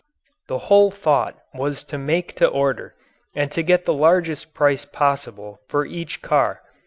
The whole thought was to make to order and to get the largest price possible for each car.